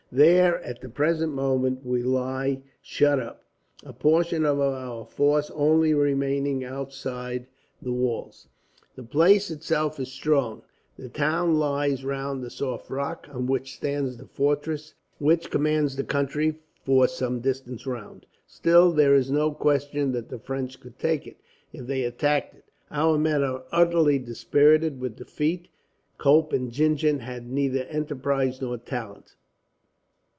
There, at the present moment, we lie shut up, a portion of our force only remaining outside the walls. "The place itself is strong. The town lies round a lofty rock, on which stands the fortress, which commands the country for some distance round. Still, there is no question that the French could take it, if they attacked it. Our men are utterly dispirited with defeat. Cope and Gingen have neither enterprise nor talent.